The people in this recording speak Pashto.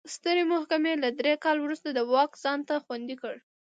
سترې محکمې له درې کال وروسته دا واک ځان ته خوندي کړ.